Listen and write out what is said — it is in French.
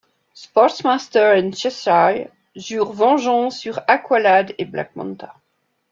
Sportsmaster et Cheshire jurent vengeance sur Aqualad et Black Manta.